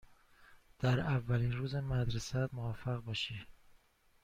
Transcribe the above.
در اولین روز مدرسه ات موفق باشی.